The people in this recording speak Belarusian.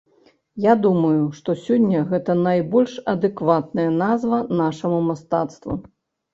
Я думаю, што сёння гэта найбольш адэкватная назва нашаму мастацтву.